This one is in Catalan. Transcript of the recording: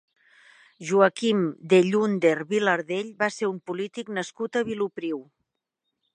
Joaquim Dellunder Vilardell va ser un polític nascut a Vilopriu.